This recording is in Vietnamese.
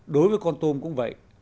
đối với con tôm cũng vậy